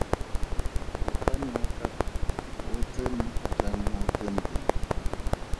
Gopane wa Kapa o tsene jang mo tenteng?